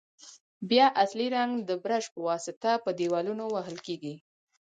بیا اصلي رنګ د برش په واسطه پر دېوالونو وهل کیږي.